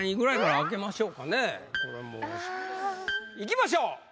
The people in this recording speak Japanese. いきましょう。